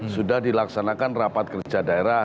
sudah dilaksanakan rapat kerja daerah